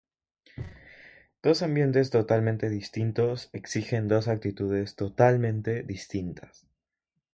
Dos ambientes totalmente distintos exigen dos actitudes totalmente distintas.